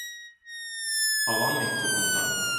Babam mektubunda.